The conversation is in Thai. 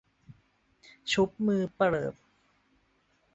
ชุบมือเปิบ